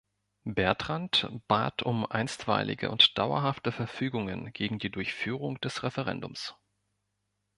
Bertrand bat um einstweilige und dauerhafte Verfügungen gegen die Durchführung des Referendums.